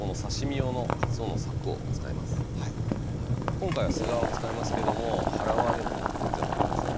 今回は背側を使いますけども腹側でも全然ＯＫですね。